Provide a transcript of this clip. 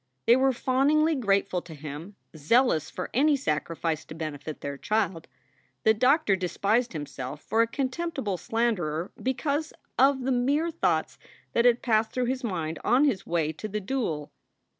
They were fawningly grateful to him, zealous for any sacrifice to benefit their child. The doctor despised himself for a contemptible slanderer because of the mere thoughts that had passed through his mind on his way to the duel.